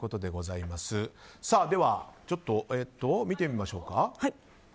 では、ちょっと見てみましょうか。